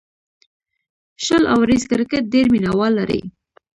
شل اوریز کرکټ ډېر مینه وال لري.